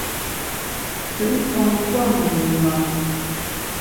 Ntùt mfon pua’ ngùnga.